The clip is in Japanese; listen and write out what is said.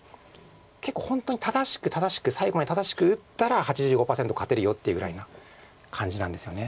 結構本当に正しく正しく最後まで正しく打ったら８５％勝てるよっていうぐらいな感じなんですよね。